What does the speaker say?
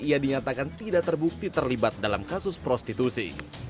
ia dinyatakan tidak terbukti terlibat dalam kasus prostitusi